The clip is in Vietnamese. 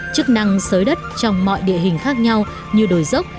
chức năng sới đất trong mọi địa hình khác nhau như đồi dốc